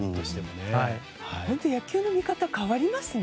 野球の見方変わりますね。